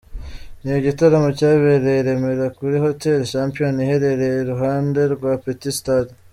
Ni igitaramo cyabereye i Remera kuri Hotel Champion iherereye i ruhande rwa Petit Stade .